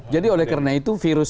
jadi oleh karena itu virus